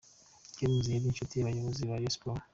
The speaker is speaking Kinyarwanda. Gomes yari inshuti y’abayobozi ba Rayon Sports.